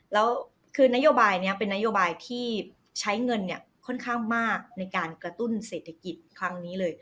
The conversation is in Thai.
แล้วคือนโยบายนี้เป็นนโยบายที่ใช้เงินเนี่ยค่อนข้างมากในการกระตุ้นเศรษฐกิจครั้งนี้เลย